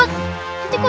ada yang berhentiin aku